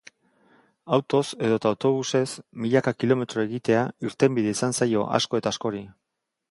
Autoz edota autobuses milaka kilometro egitea irtenbide izan zaio asko eta askori.